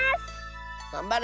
がんばれ！